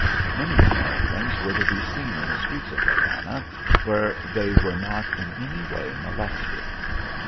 Many Americans were to be seen in the streets of Havana where they were not in any way molested.